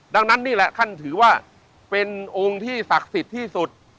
ดังนั้นนี่แหละท่านถือว่าเป็นองค์ที่ศักดิ์สิทธิ์ที่สุด